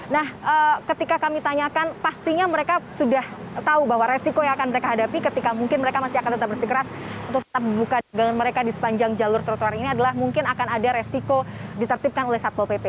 nah ketika kami tanyakan pastinya mereka sudah tahu bahwa resiko yang akan mereka hadapi ketika mungkin mereka masih akan tetap bersikeras untuk tetap membuka dagangan mereka di sepanjang jalur trotoar ini adalah mungkin akan ada resiko ditertipkan oleh satpol pp